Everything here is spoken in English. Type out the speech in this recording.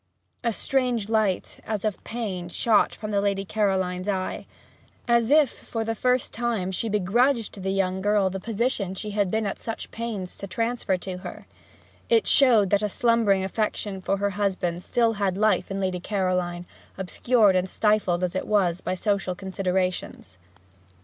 A strange light, as of pain, shot from the Lady Caroline's eye, as if for the first time she begrudged to the young girl the position she had been at such pains to transfer to her; it showed that a slumbering affection for her husband still had life in Lady Caroline, obscured and stifled as it was by social considerations.